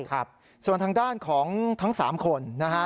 ครับส่วนทางด้านของทั้ง๓คนนะฮะ